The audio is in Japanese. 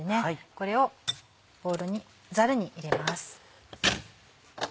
これをザルに入れます。